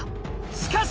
しかし